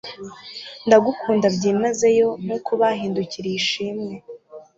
ndagukunda byimazeyo, nkuko bahindukiriye ishimwe